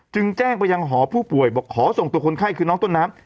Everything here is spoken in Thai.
จึงแจ้งไปยังหอผู้ป่วยบอกขอส่งตัวคนไข้คือน้องต้นน้ำ